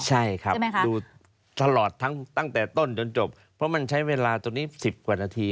ใช่ครับดูตลอดทั้งตั้งแต่ต้นจนจบเพราะมันใช้เวลาตรงนี้๑๐กว่านาที